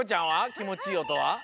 きもちいいおとは？